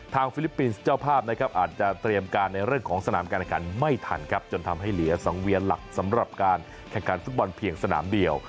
ทางฟิลิปปินซ์เจ้าภาพอาจจะเตรียมการในเรื่องของสนามการการไม่ทันจนทำให้เหลียสังเวียนหลักสำหรับการแข่งการฟุตบอลเพียงสนามเดียว